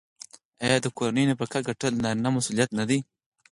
آیا د کورنۍ نفقه ګټل د نارینه مسوولیت نه دی؟